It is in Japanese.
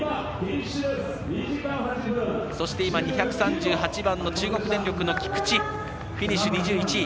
そして、今２３８番の中国電力の菊地、フィニッシュ、２１位。